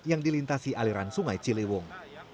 yang dilintasi aliran sungai ciliwung